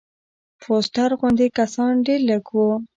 فوسټر غوندې کسان ډېر لږ وو.